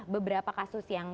beberapa kasus yang